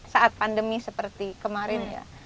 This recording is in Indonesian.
saat pandemi seperti kemarin ya